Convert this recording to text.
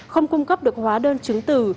không cung cấp được hóa đơn chứng từ